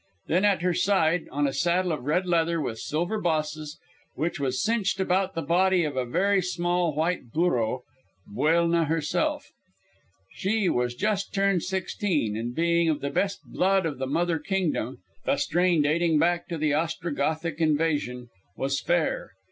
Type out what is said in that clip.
Then at her side, on a saddle of red leather with silver bosses, which was cinched about the body of a very small white burro, Buelna herself. She was just turned sixteen, and being of the best blood of the mother kingdom (the strain dating back to the Ostrogothic invasion), was fair.